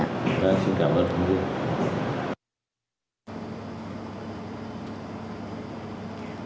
xin cảm ơn thưa quý vị